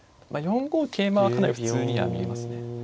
４五桂馬はかなり普通には見えますね。